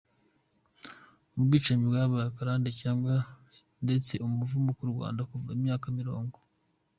Ubwicanyi bwabaye akarande, cyangwa ndetse umuvumo ku Rwanda kuva imyaka mirongo!